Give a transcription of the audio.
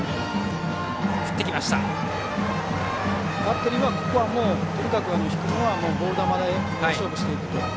バッテリーは、ここはとにかく低めはボール球で勝負していくと。